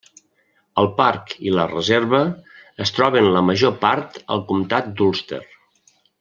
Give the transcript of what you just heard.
El parc i la reserva es troben la major part al comtat d'Ulster.